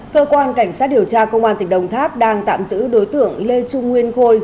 cơ quan cảnh sát điều tra công an tỉnh đồng tháp đang tạm giữ đối tượng lê trung nguyên khôi